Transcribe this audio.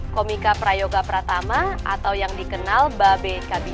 komika prayoga pratama atau yang dikenal ba be kabita